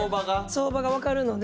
相場がわかるので。